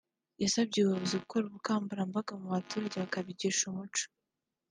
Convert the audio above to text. yasabye ubuyobozi gukora ubukangurambaga mu baturage bakabigisha umuco